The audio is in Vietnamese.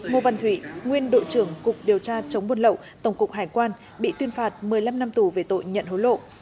ngô văn thủy nguyên đội trưởng cục điều tra chống buôn lậu tổng cục hải quan bị tuyên phạt một mươi năm năm tù về tội nhận hối lộ